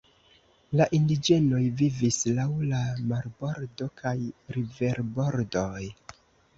La indiĝenoj vivis laŭ la marbordo kaj riverbordoj.